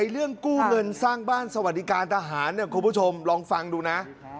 เรื่องกู้เงินสร้างบ้านสวัสดิการทหารคุณผู้ชมลองฟังดูนะ